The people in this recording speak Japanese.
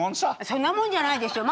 そんなもんじゃないでしょ